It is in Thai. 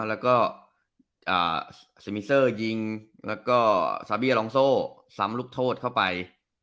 แล้วก็อ่ายิงแล้วก็สามลูกโทษเข้าไป